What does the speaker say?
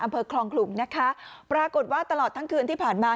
อำเภอคลองขลุงนะคะปรากฏว่าตลอดทั้งคืนที่ผ่านมา